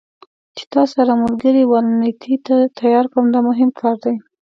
چې تا ستا ملګري والنتیني ته تیار کړم، دا مهم کار دی.